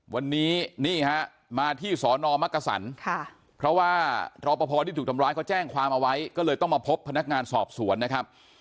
วันนี้นี่ฮะมาที่สอนอมักกษันเพราะว่ารอปภที่ถูกทำร้ายเขาแจ้งความเอาไว้ก็เลยต้องมาพบพนักงานสอบสวนนะครับ